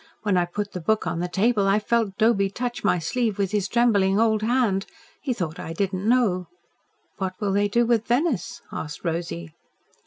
When I put the book on the table, I felt Doby touch my sleeve with his trembling old hand. He thought I did not know." "What will they do with Venice?" asked Rosy.